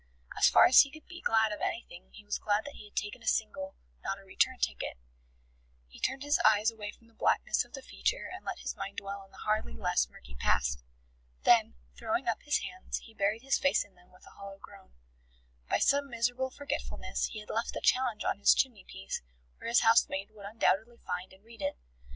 . As far as he could be glad of anything he was glad that he had taken a single, not a return ticket. He turned his eyes away from the blackness of the future and let his mind dwell on the hardly less murky past. Then, throwing up his hands, he buried his face in them with a hollow groan. By some miserable forgetfulness he had left the challenge on his chimney piece, where his housemaid would undoubtedly find and read it.